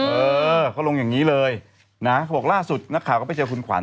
เออเขาลงอย่างนี้เลยนะเขาบอกล่าสุดนักข่าวก็ไปเจอคุณขวัญ